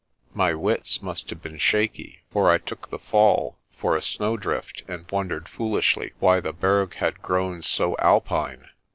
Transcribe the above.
My wits must have been shaky, for I took the fall for a snowdrift and wondered foolishly why the Berg had grown so Alpine.